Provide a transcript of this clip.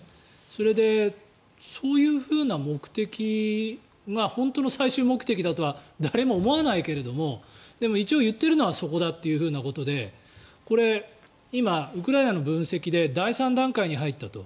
それで、そういうふうな目的が本当の最終目的だとは誰も思わないけどもでも一応、言っているのはそこだというふうなことでこれ、今、ウクライナの分析で第３段階に入ったと。